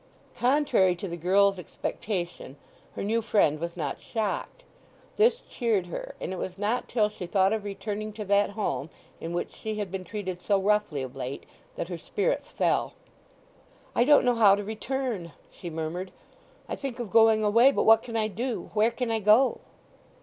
Contrary to the girl's expectation her new friend was not shocked. This cheered her; and it was not till she thought of returning to that home in which she had been treated so roughly of late that her spirits fell. "I don't know how to return," she murmured. "I think of going away. But what can I do? Where can I go?"